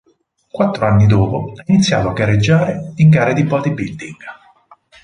Quattro anni dopo, ha iniziato a gareggiare in gare di bodybuilding.